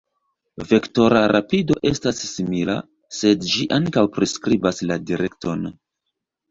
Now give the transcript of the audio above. Vektora rapido estas simila, sed ĝi ankaŭ priskribas la direkton.